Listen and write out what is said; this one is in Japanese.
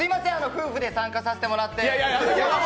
夫婦で参加させてもらって。